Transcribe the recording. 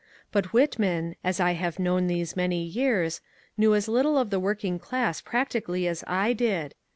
But Whitman — as I have known these many years — knew as little of the working class practically as I did.